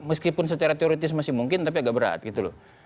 meskipun secara teoritis masih mungkin tapi agak berat gitu loh